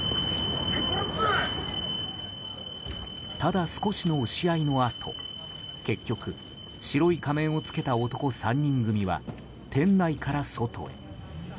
ただ少しの押し合いのあと結局、白い仮面を着けた男３人組は店内から外へ。